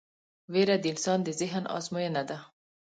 وېره د انسان د ذهن ازموینه ده.